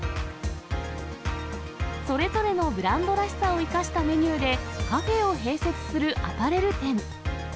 それぞれのブランドらしさを生かしたメニューで、カフェを併設するアパレル店。